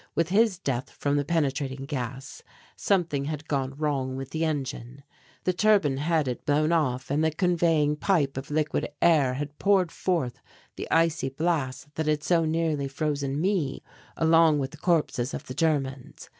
With his death from the penetrating gas, something had gone wrong with the engine. The turbine head had blown off, and the conveying pipe of liquid air had poured forth the icy blast that had so nearly frozen me along with the corpses of the Germans.